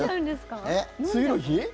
次の日？